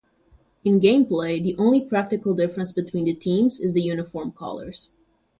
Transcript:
In gameplay, the only practical difference between the teams is the uniform colors.